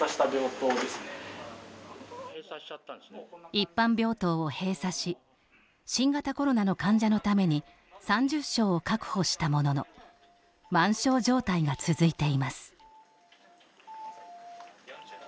一般病棟を閉鎖し新型コロナの患者のために３０床を確保したものの満床状態が続いています。